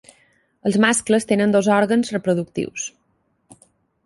Els mascles tenen dos òrgans reproductius.